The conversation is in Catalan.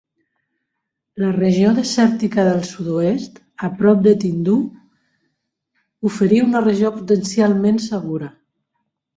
La regió desèrtica del sud-oest, a prop de Tindouf, oferia una regió potencialment segura.